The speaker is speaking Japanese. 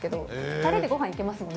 たれでごはんいけますもんね。